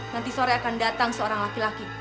nanti sore akan datang seorang laki laki